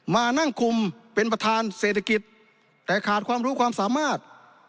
มานั่งคุมเป็นประธานเศรษฐกิจแต่ขาดความรู้ความสามารถ